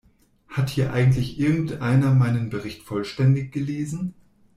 Hat hier eigentlich irgendeiner meinen Bericht vollständig gelesen?